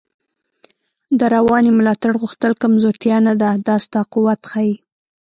د روانی ملاتړ غوښتل کمزوتیا نده، دا ستا قوت ښایی